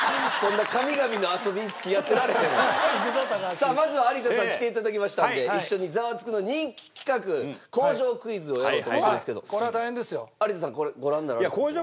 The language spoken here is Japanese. さあまずは有田さん来て頂きましたんで一緒に『ザワつく！』の人気企画工場クイズをやろうと思うんですけど有田さんこれご覧になられた事は。